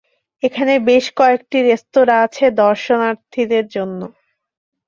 এখানে বেশ কয়েকটি রেস্তোরা আছে দর্শনার্থীদের জন্য।